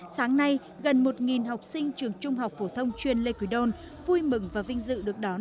sáng nay gần một học sinh trường trung học phổ thông chuyên lê quỳ đôn vui mừng và vinh dự được đón